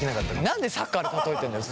何でサッカーで例えてんだよ